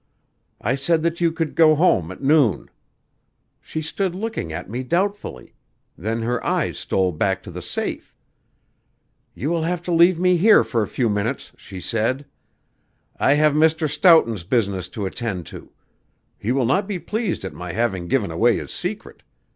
I said that you could go home at noon.' She stood looking at me doubtfully; then her eyes stole back to the safe. 'You will have to leave me here for a few minutes,' she said. 'I have Mr. Stoughton's business to attend to. He will not be pleased at my having given away his secret.